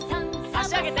あしあげて。